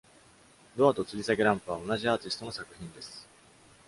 ドアと吊り下げランプは同じアーティストの作品です。